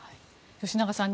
吉永さん